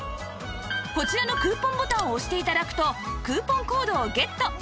こちらのクーポンボタンを押して頂くとクーポンコードをゲット